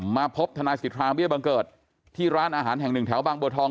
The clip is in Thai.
มาพบทนายสิทธาเบี้ยบังเกิดที่ร้านอาหารแห่งหนึ่งแถวบางบัวทอง